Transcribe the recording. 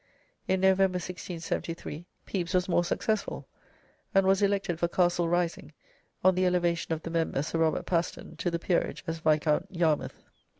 In November, 1673, Pepys was more successful, and was elected for Castle Rising on the elevation of the member, Sir Robert Paston, to the peerage as Viscount Yarmouth.